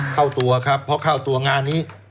เข้าตัวครับเพราะเข้าตัวงานนี้